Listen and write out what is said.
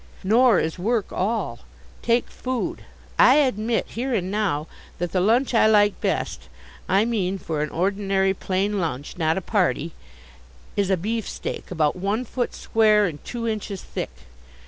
Nor is work all. Take food. I admit, here and now, that the lunch I like best I mean for an ordinary plain lunch, not a party is a beef steak about one foot square and two inches thick.